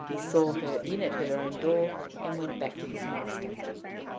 He saw her in at her own door, and went back to his master.